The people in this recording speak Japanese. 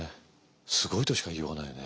すごいとしか言いようがないね。